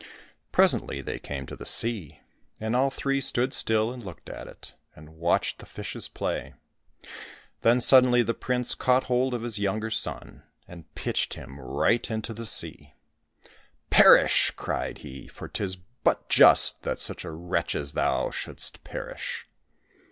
Presently they came to the sea, and all three stood 267 COSSACK FAIRY TALES still and looked at it, and watched the fishes play. Then, suddenly, the prince caught hold of his younger son, and pitched him right into the sea. " Perish !" cried he, " for 'tis but just that such a wretch as thou shouldst perish